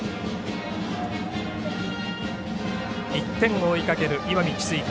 １点を追いかける、石見智翠館。